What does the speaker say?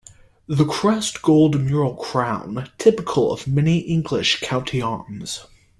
The crest gold mural crown, typical of many English county arms.